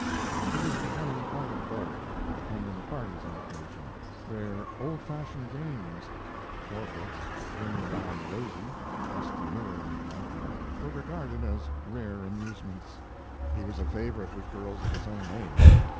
He was becoming quite a beau, attending parties on occasion, where old fashioned games Forfeits, Ring around a Rosy, Dusty Miller, and the like were regarded as rare amusements. He was a favorite with girls of his own age.